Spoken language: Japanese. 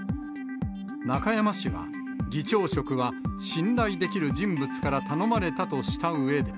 中山氏は、議長職は、信頼できる人物から頼まれたとしたうえで。